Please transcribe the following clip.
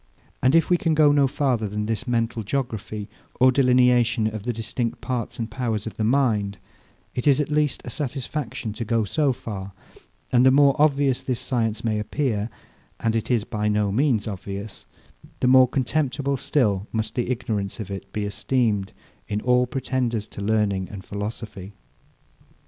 And if we can go no farther than this mental geography, or delineation of the distinct parts and powers of the mind, it is at least a satisfaction to go so far; and the more obvious this science may appear (and it is by no means obvious) the more contemptible still must the ignorance of it be esteemed, in all pretenders to learning and philosophy.